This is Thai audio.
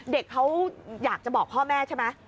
เด็กเขาอยากจะบอกพ่อแม่ใช่ไหม